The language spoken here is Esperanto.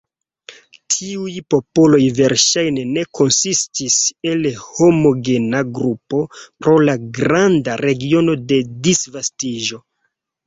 Tiuj popoloj verŝajne ne konsistis el homogena grupo pro la granda regiono de disvastiĝo.